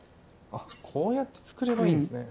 あこうやってつくればいいんですね。